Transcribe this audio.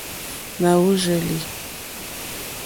Na wurzeli.